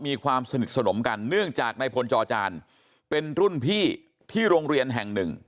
มีความสนิทสนมกันเนื่องจากในพลจอจานเป็นรุ่นพี่ที่โรงเรียนแห่งหนึ่ง